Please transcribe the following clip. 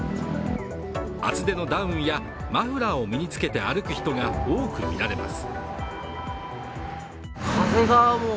厚手のダウンやマフラーを身につけて歩く人が多く見られます。